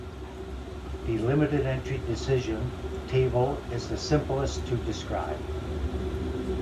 The limited-entry decision table is the simplest to describe.